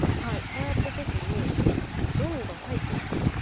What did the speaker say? こうやった時にどんどん入っていくとどうすれば？